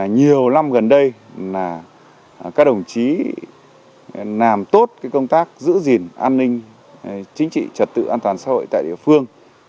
nhiều năm gần đây là các đồng chí làm tốt công tác giữ gìn an ninh chính trị trật tự an toàn xã hội tại địa phương